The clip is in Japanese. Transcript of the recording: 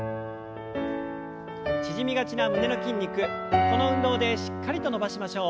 縮みがちな胸の筋肉この運動でしっかりと伸ばしましょう。